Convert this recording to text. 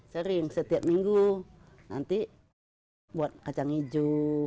sering setiap minggu nanti buat kacang hijau